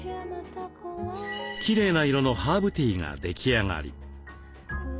きれいな色のハーブティーが出来上がり。